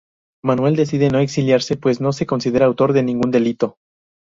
Manuel decide no exiliarse, pues no se considera autor de ningún delito.